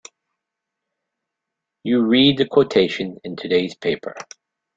You read the quotations in today's paper.